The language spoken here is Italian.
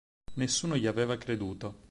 Nessuno gli aveva creduto.